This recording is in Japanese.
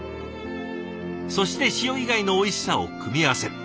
そして塩以外のおいしさを組み合わせる。